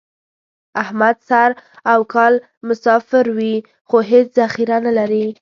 احمد سر او کال مسافر وي، خو هېڅ ذخیره نه لري.